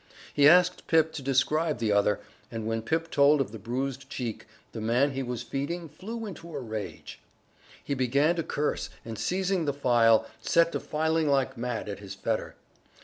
He asked Pip to describe the other, and when Pip told of the bruised cheek, the man he was feeding flew into a rage. He began to curse, and, seizing the file, set to filing like mad at his fetter.